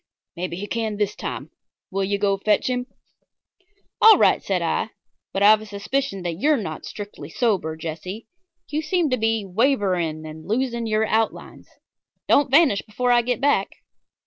"Maybe he can this time. Will you go fetch him?" "All right," said I, "but I've a suspicion that you're not strictly sober, Jesse. You seem to be wavering and losing your outlines. Don't vanish before I get back."